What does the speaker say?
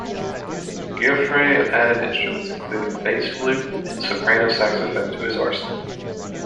Giuffre added instruments including bass flute and soprano saxophone to his arsenal.